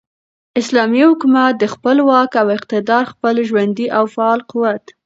اسلامي حكومت دخپل واك او اقتدار ،خپل ژوندي او فعال قوت ،